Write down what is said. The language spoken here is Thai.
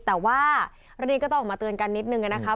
แต่ว่าเรื่องนี้ก็ต้องออกมาเตือนกันนิดนึงนะครับ